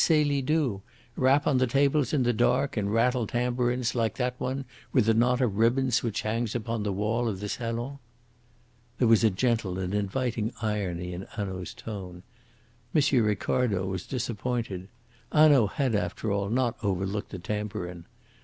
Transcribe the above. Celie do? Rap on the tables in the dark and rattle tambourines like that one with the knot of ribbons which hangs upon the wall of the salon?" There was a gentle and inviting irony in Hanaud's tone. M. Ricardo was disappointed. Hanaud had after all not overlooked the tambourine.